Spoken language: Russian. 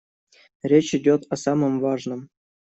Речь идёт о самом важном.